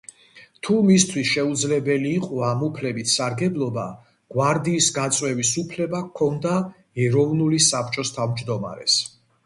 თუ მისთვის შეუძლებელი იყო ამ უფლებით სარგებლობა, გვარდიის გაწვევის უფლება ჰქონდა ეროვნული საბჭოს თავმჯდომარეს.